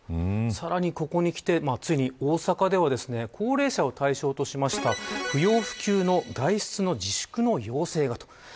さらに、ここにきてついに大阪では高齢者を対象としました不要不急の外出の自粛の要請がと。